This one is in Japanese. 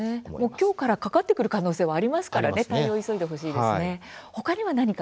きょうからかかってくる可能性があるから対応してほしいですね。